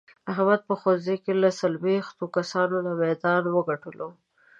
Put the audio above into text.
احمد په ښوونځې کې له څلوېښتو کسانو نه میدان و ګټلو.